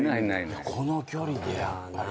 この距離でやっぱり。